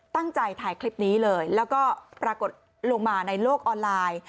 ตั้งใจถ่ายคลิปนี้เลยแล้วก็ปรากฏลงมาในโลกออนไลน์